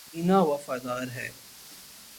رینا وفادار ہے